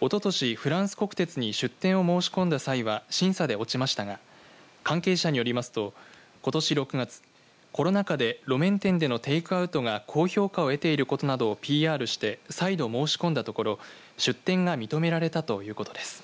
おととしフランス国鉄に出店を申し込んだ際は審査で落ちましたが関係者によりますとことし６月コロナ禍で路面店でのテイクアウトが高評価を得ていることなどをＰＲして再度、申し込んだところ出店が認められたということです。